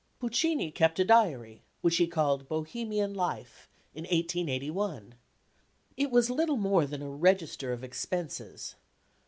Puccini kept a diary, which he called "Bohemian Life," in 1881. It was little more than a register of expenses.